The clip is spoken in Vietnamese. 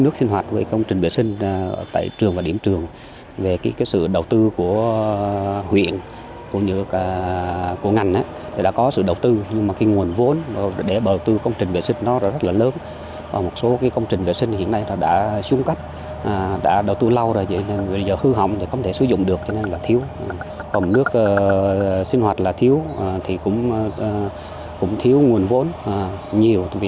còn nước sinh hoạt là thiếu thì cũng thiếu nguồn vốn nhiều